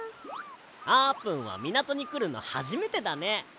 あーぷんはみなとにくるのはじめてだね。